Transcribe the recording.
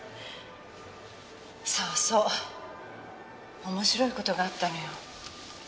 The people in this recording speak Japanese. そうそう面白い事があったのよ。